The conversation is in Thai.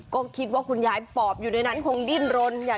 ก็คิดว่าคุณยายปอบอยู่ในนั้นคงดิ้นรน